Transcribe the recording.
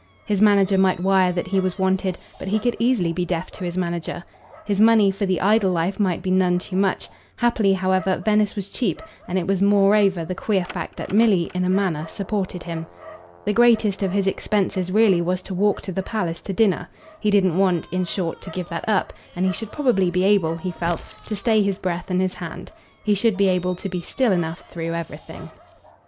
His manager might wire that he was wanted, but he could easily be deaf to his manager. His money for the idle life might be none too much; happily, however, Venice was cheap, and it was moreover the queer fact that Milly in a manner supported him. The greatest of his expenses really was to walk to the palace to dinner. He didn't want, in short, to give that up, and he should probably be able, he felt, to stay his breath and his hand. He should be able to be still enough through everything.